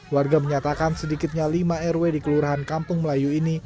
warga menyatakan sedikitnya lima rw di kelurahan kampung melayu ini